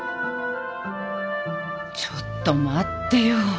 ちょっと待ってよ。